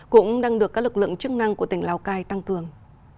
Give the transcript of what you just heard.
cũng đang được các lực lượng chức năng của tỉnh lào cai tăng cường